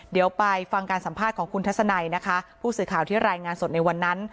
เดี๋ยวไปฟังการสัมภาษณ์ของคุณทัศนัยนะคะผู้สื่อข่าวที่รายงานสดในวันนั้น